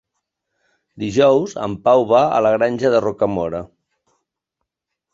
Dijous en Pau va a la Granja de Rocamora.